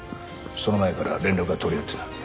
その前から連絡は取り合ってた。